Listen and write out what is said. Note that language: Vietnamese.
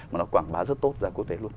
mà nó quảng bá rất tốt ra quốc tế luôn